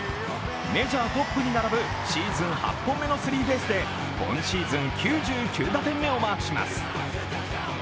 メジャートップに並ぶシーズン８本目のスリーベースで今シーズン９９打点目をマークします。